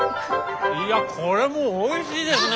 いやこれもおいしいですね！